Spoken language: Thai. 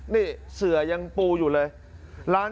นี่เสือยังปูอยู่เลย